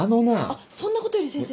あっそんなことより先生。